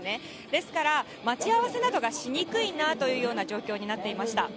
ですから、待ち合わせなどがしにくいなという状況になっていました。